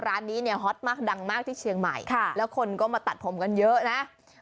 ร้านนี้เนี่ยฮอตมากดังมากที่เชียงใหม่แล้วคนก็มาตัดผมกันเยอะนะ